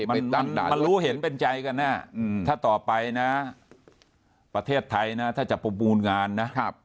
มันรู้เห็นเป็นใจกันแน่ถ้าต่อไปนะประเทศไทยนะถ้าจะประมูลงานนะ